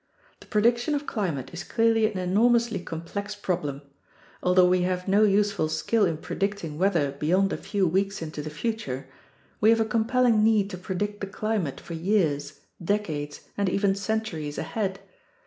The prediction of climate is clearly an enormously complex prob lem. Although we have no useful skill in predicting weather beyond a few weeks into the future, we have a compelling need to predict the climate for years, decades, and even centuries ahead.